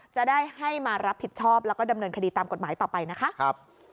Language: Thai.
จะได้ให้มารับผิดชอบแล้วก็ดำเนินคดีตามกฎหมายต่อไปนะคะ